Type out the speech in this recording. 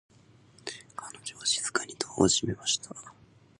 彼女は静かにドアを閉めました。